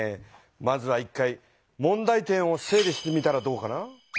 まずは１回問題点を整理してみたらどうかな？